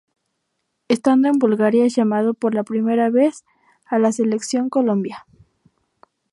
Estando en Bulgaria es llamado por primera vez a la Selección Colombia.